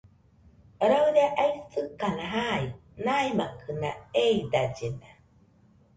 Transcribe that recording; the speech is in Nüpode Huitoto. Raɨre aisɨkana jai, naimakɨna eidallena.